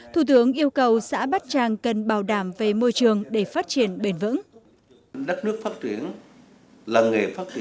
thủ tướng yêu cầu xã bát tràng cần bảo đảm về môi trường để phát triển bền vững